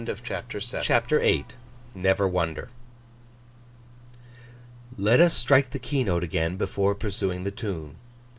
CHAPTER VIII NEVER WONDER LET us strike the key note again, before pursuing the tune.